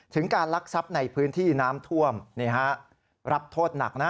ถึงการลักทรัพย์ในพื้นที่น้ำท่วมนี่ฮะรับโทษหนักนะ